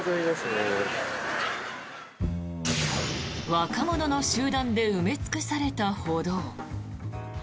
若者の集団で埋め尽くされた歩道。